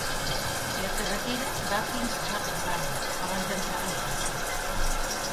La carretera va fins a Havana abans d'entrar a Georgia.